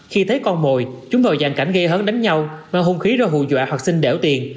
khi thấy con mồi chúng vào dạng cảnh gây hấn đánh nhau mang hôn khí ra hù dọa hoặc xin đẻo tiền